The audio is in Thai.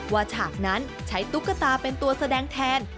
ฉากนั้นใช้ตุ๊กตาเป็นตัวแสดงแทน